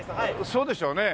そうでしょうね。